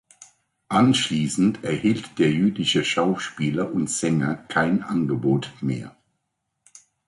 Anschließend erhielt der jüdische Schauspieler und Sänger kein Angebot mehr.